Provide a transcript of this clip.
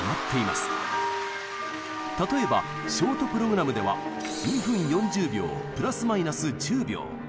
例えばショート・プログラムでは２分４０秒プラスマイナス１０秒。